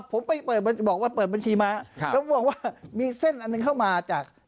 ผมไปเปิดบัญชีบอกว่าเปิดบัญชีมาครับแล้วบอกว่ามีเส้นอันนึงเข้ามาจาก